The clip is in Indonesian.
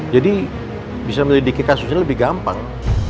jadi bisa melidiki kasusnya lebih gampang